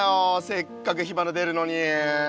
せっかく火花でるのに。